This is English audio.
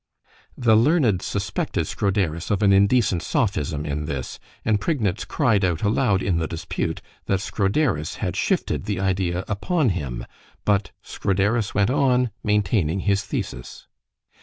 —The learned suspected Scroderus of an indecent sophism in this—and Prignitz cried out aloud in the dispute, that Scroderus had shifted the idea upon him——but Scroderus went on, maintaining his thesis.